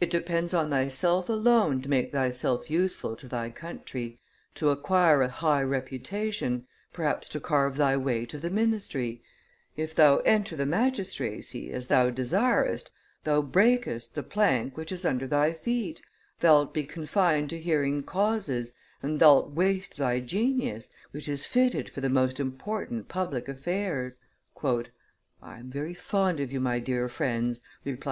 It depends on thyself alone to make thyself useful to thy country, to acquire a high reputation, perhaps to carve thy way to the ministry; if thou enter the magistracy, as thou desirest, thou breakest the plank which is under thy feet, thou'lt be confined to hearing causes, and thou'lt waste thy genius, which is fitted for the most important public affairs." "I am very fond of you," my dear friends," replied M.